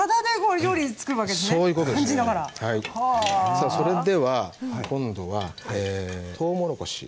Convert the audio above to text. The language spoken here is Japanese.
さあそれでは今度はとうもろこし。